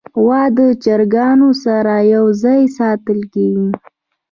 غوا د چرګانو سره یو ځای ساتل کېږي.